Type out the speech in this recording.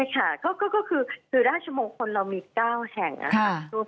ใช่ค่ะก็คือราชมงคลเรามี๙แห่งทั่วประเทศค่ะ